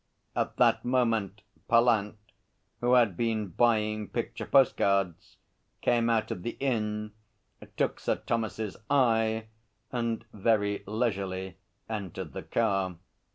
At that moment Pallant, who had been buying picture postcards, came out of the inn, took Sir Thomas's eye and very leisurely entered the car.